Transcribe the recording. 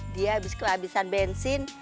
dia habis kehabisan bensin